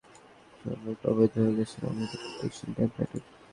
তখন দেখি, অনেক বাংলাদেশি শ্রমিক অবৈধ হয়ে গেছেন, অনেকে ডিটেনশন ক্যাম্পে আটক।